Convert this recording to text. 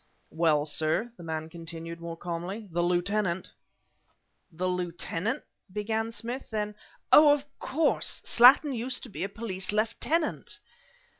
"Well, sir," the man continued, more calmly, "the lieutenant " "The lieutenant!" began Smith; then: "Oh! of course; Slattin used to be a police lieutenant!"